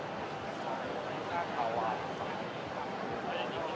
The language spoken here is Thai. สวัสดีครับ